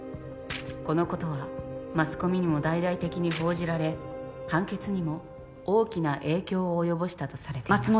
このことはマスコミにも大々的に報じられ判決にも大きな影響を及ぼしたとされています。